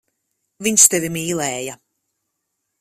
Viņš tevi mīlēja.